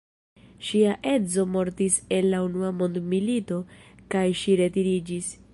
Ŝia edzo mortis en la unua mondmilito kaj ŝi retiriĝis.